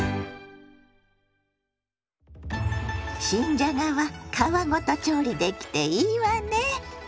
新じゃがは皮ごと調理できていいわね。